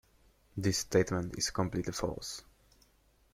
This statement is completely false.